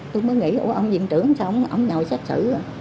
tôi mới nghĩ ông viện trưởng sao ông ngồi xét xử